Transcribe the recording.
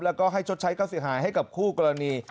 และให้ชดใช้กระทั่งโมโหให้กับคู่กรณี